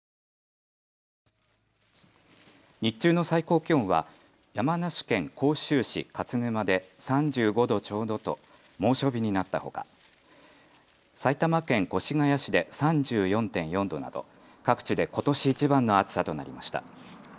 日中の最高気温は山梨県甲州市勝沼で３５度ちょうどと猛暑日になったほか埼玉県越谷市で３４．４度など各地でことしいちばんの暑さとなりました。